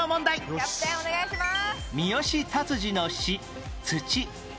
キャプテンお願いします！